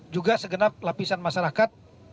juga segenap lapisan masyarakat